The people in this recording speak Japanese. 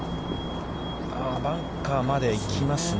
バンカーまで行きますね。